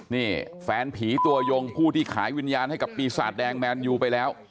นี่แฟนผีตัวยงผู้ที่ขายวิญญาณให้กับปีศาจแดงแมนยูไปแล้ว